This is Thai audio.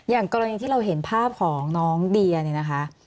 อย่างกรณีที่เราเห็นภาพของน้องเดียเนี่ยนะคะ